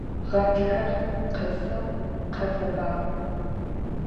Гъатхэр къэсыгъ, къэфэбагъ.